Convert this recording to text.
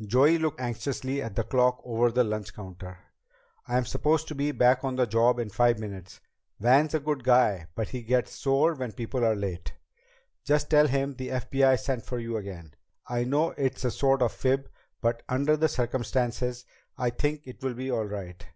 Joey looked anxiously at the clock over the lunch counter. "I'm supposed to be back on the job in five minutes. Van's a good guy, but he gets sore when people are late." "Just tell him the FBI sent for you again. I know it's a sort of fib, but under the circumstances I think it will be all right.